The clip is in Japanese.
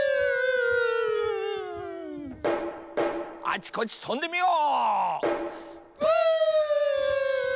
あちこちとんでみよう！